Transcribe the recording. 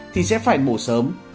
thì sẽ phải mổ sớm